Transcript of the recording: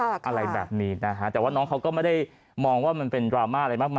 อะไรแบบนี้นะฮะแต่ว่าน้องเขาก็ไม่ได้มองว่ามันเป็นดราม่าอะไรมากมาย